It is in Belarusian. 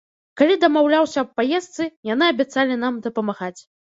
Калі дамаўляўся аб паездцы, яны абяцалі нам дапамагаць.